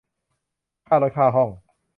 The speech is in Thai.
ค่ารถค่าห้อง